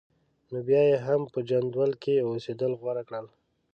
نو بیا یې هم په جندول کې اوسېدل غوره کړل.